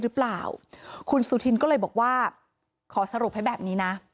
หรือเปล่าคุณสุธินก็เลยบอกว่าขอสรุปให้แบบนี้นะ